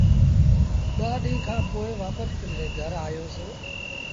ٻآ ڏيٚݩهݩ کآݩ پو وآپس پنڊري گھر آيوس۔